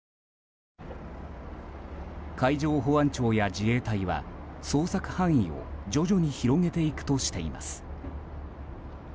海上保安庁や自衛隊は捜索範囲を徐々に広げていくとしています。